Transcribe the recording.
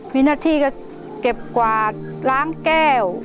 มีหน้าที่ก็เก็บกวาดล้างแก้ว